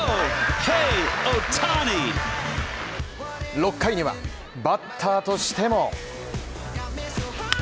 ６回には、バッターとしても。